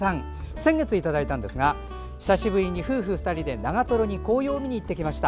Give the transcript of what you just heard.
先月いただいたんですが久しぶりに夫婦２人で長瀞に紅葉を見に行ってきました。